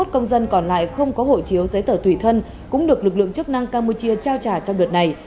hai mươi công dân còn lại không có hộ chiếu giấy tờ tùy thân cũng được lực lượng chức năng campuchia trao trả trong đợt này